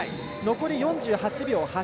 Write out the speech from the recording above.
残り４８秒８。